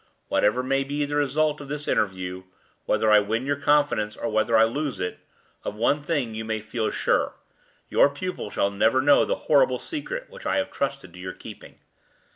Whatever may be the result of this interview whether I win your confidence or whether I lose it of one thing you may feel sure: your pupil shall never know the horrible secret which I have trusted to your keeping.